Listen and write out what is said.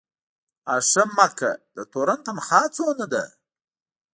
آ ښه مککه، د تورن تنخواه څومره وي؟